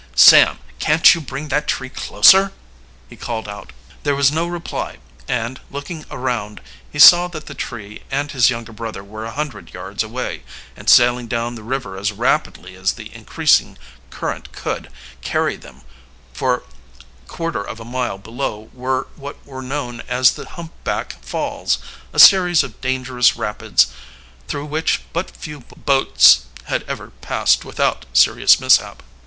"Sam, can't you bring that tree closer?" he called out. There was no reply, and, looking around, he saw that the tree and his younger brother were a hundred yards away, and sailing down the river as rapidly as the increasing current could, carry them for quarter of a mile below were what were known as the Humpback Falls a series of dangerous rapids through which but few boats had ever passed without serious mishap.